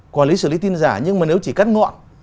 quản lý xử lý tin giả nhưng mà nếu chỉ cắt ngọn